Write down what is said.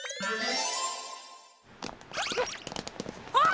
あっ！